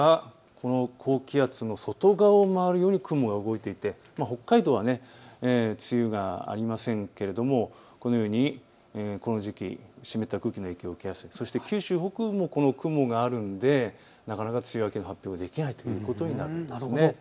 この高気圧の外側を回るように雲が動いていて北海道は梅雨はありませんがこのようにこの時期、湿った空気の影響を受けやすい、九州北部もこの雲があるのでなかなか梅雨明けの発表ができないんです。